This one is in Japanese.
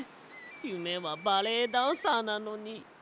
ゆめはバレエダンサーなのに。